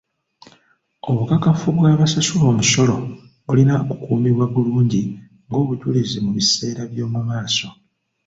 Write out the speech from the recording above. Obukakafu bw'abasasula omusolo bulina kukuumibwa bulungi ng'obujulizi mu biseera by'omu maaso.